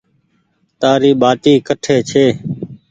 تآري ٻآٽي ڪٽي ڇي۔